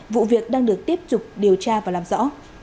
vụ việc đang được tiếp tục điều tra và làm rõ